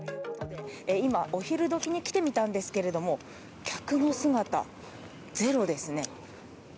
今、お昼時に来てみたんですけれども客の姿ゼロですね。